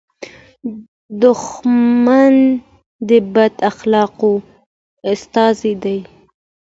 دښمن د بد اخلاقو استازی دی